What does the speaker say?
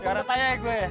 apa berapa ya gua ya